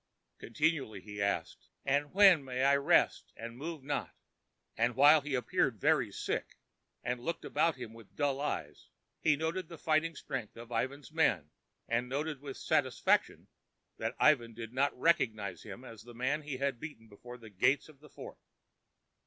Continually he asked, "And then may I rest and move not?" And while he appeared very sick and looked about him with dull eyes, he noted the fighting strength of Ivan's men, and noted with satisfaction that Ivan did not recognize him as the man he had beaten before the gates of the fort.